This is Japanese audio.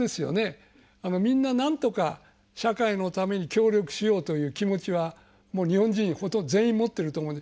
みんななんとか社会のために協力しようという気持ちは日本人ほとんど全員持ってると思うんで。